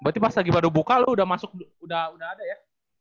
berarti pas lagi baru buka lo udah masuk udah ada ya